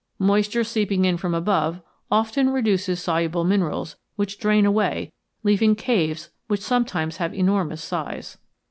Moisture seeping in from above often reduces soluble minerals which drain away, leaving caves which sometimes have enormous size.